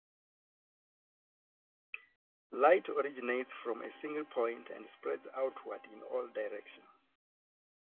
Light originates from a single point, and spreads outward in all directions.